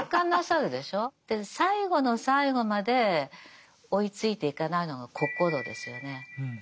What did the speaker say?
で最後の最後まで追いついていかないのが心ですよね。